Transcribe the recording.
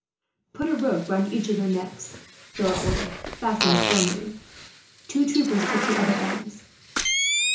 "Put a rope round each of their necks," Philip ordered. "Fasten it firmly." Two troopers took the other ends.